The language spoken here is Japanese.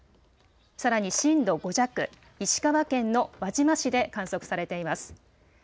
さらに震度５弱、石川県の輪島市で観測されています。